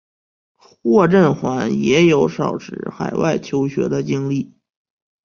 霍震寰也有少时海外求学的经历。